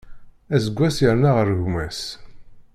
Aseggas yerna ɣer gma-s.